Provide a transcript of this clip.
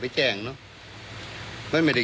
เพราะคนเราถ้ามัย